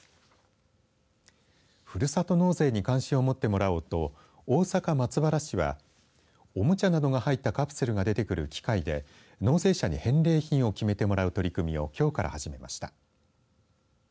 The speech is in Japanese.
ふるさと納税に関心を持ってもらおうと大阪、松原市はおもちゃなどが入ったカプセルが出てくる機械で納税者に返礼品を決めてもらう取り組みをきょうから始めました。